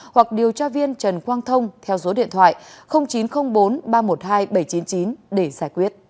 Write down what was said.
hoặc điều tra viên trần quang thông theo số điện thoại chín trăm linh bốn ba trăm một mươi hai bảy trăm chín mươi chín để giải quyết